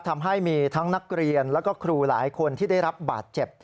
ทำให้มีทั้งนักเรียนแล้วก็ครูหลายคนที่ได้รับบาดเจ็บ